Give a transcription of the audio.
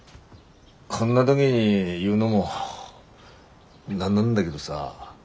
こんな時に言うのもなんなんだげどさ。